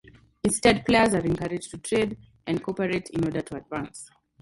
Instead, players are encouraged to trade and cooperate in order to advance.